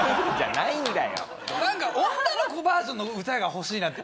なんか女の子バージョンの歌が欲しいなって。